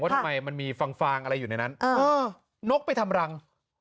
ทำไมมันมีฟางอะไรอยู่ในนั้นนกไปทำรัง